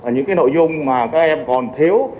những nội dung mà các em còn thiếu